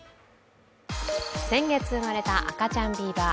先月生まれた赤ちゃんビーバー。